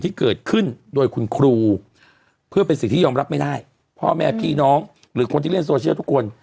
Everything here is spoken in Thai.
ที่เกิดขึ้นโดยคุณครูเพื่อเป็นสิ่งที่ยอมรับไม่ได้พ่อแม่พี่น้องหรือคนที่เล่นโซเชียลทุกคน